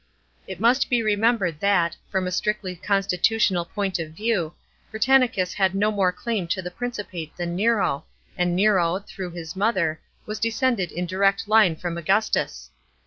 It must be re membered that, from a strictly constitutional point of view, Britannicus had no more claim to the Princ'pate than Nero, and Nero, through his mother, was descended in direct line from Augustus.